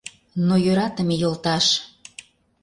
Но йӧратыме йолташ